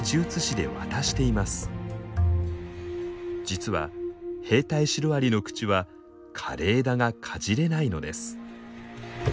実は兵隊シロアリの口は枯れ枝がかじれないのです。